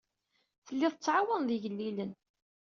Tellid tettɛawaned igellilen.